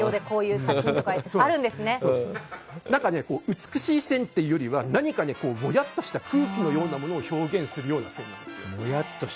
美しい線というよりは何かもやっとした空気のようなものを表現するような線なんです。